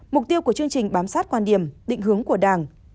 mục tiêu của chương trình bám sát quan điểm định hướng của đảng